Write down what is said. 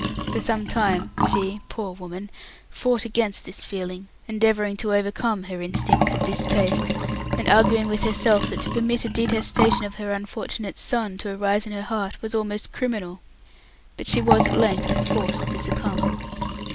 For some time she poor woman fought against this feeling, endeavouring to overcome her instincts of distaste, and arguing with herself that to permit a detestation of her unfortunate son to arise in her heart was almost criminal; but she was at length forced to succumb.